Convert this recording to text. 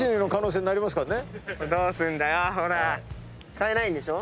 変えないんでしょ？